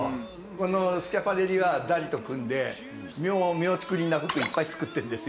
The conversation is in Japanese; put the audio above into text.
このスキャパレリはダリと組んで妙ちくりんな服いっぱい作ってるんですよね。